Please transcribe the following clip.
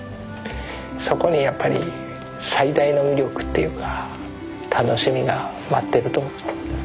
そこにやっぱり最大の魅力っていうか楽しみが待ってると。